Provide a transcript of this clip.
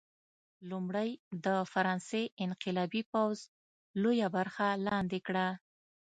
لومړی د فرانسې انقلابي پوځ لویه برخه لاندې کړه.